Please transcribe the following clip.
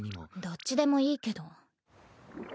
どっちでもいいけど。